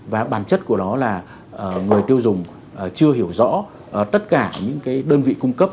và bản chất của nó là người tiêu dùng chưa hiểu rõ tất cả những đơn vị cung cấp